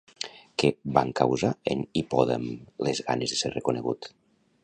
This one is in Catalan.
Què van causar en Hipòdam les ganes de ser reconegut?